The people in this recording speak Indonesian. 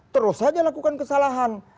terus saja lakukan kesalahan